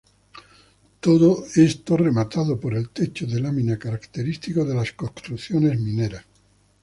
Todo esto rematado por el techo de lámina característico de las construcciones mineras.